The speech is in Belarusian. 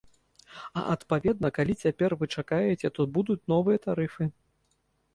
А адпаведна, калі цяпер вы чакаеце, то будуць новыя тарыфы?